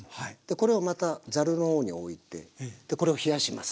これをまたざるの方に置いてこれを冷やします。